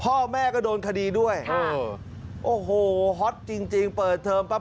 พ่อแม่ก็โดนคดีด้วยครับโอ้โหจริงจริงเปิดเทิมป้า